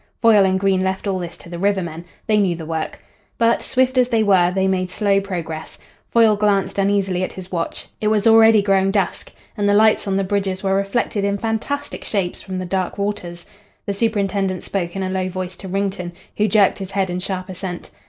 Foyle and Green left all this to the river men. They knew the work. But, swift as they were, they made slow progress. Foyle glanced uneasily at his watch. It was already growing dusk, and the lights on the bridges were reflected in fantastic shapes from the dark waters. The superintendent spoke in a low voice to Wrington, who jerked his head in sharp assent.